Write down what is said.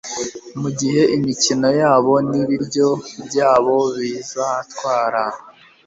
mugihe imikino yabo nibiryo byabo bizatwara